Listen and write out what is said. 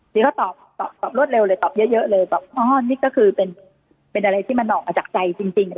นี่เขาตอบตอบรวดเร็วเลยตอบเยอะเลยบอกอ๋อนี่ก็คือเป็นอะไรที่มันออกมาจากใจจริง